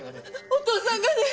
お父さんがね！